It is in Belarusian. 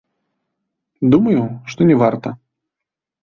Думаю, што не варта.